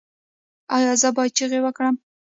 ایا زه باید چیغې وکړم؟